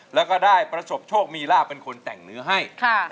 แล้วก็ได้ประสบโชคมีลาบเป็นคนแต่งเนื้อให้